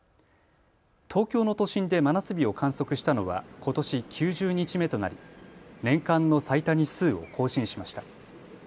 東京の都心で真夏日を観測したのはことし９０日目となり年間の最多日数を更新しました。